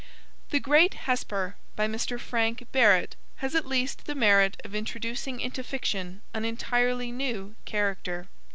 The Great Hesper, by Mr. Frank Barrett, has at least the merit of introducing into fiction an entirely new character.